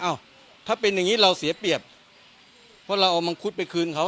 เอ้าถ้าเป็นอย่างนี้เราเสียเปรียบเพราะเราเอามังคุดไปคืนเขา